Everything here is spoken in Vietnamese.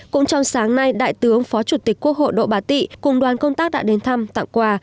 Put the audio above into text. cũng trong sáng nay đại tướng phó chủ tịch quốc hội độ bà tị cùng đoàn công tác đã đến thăm tặng quà